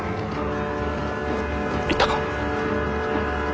行ったか？